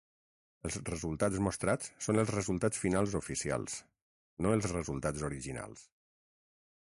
Els resultats mostrats són els resultats finals oficials, no els resultats originals.